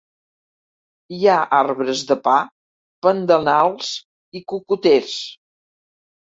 Hi ha arbres de pa, pandanals i cocoters.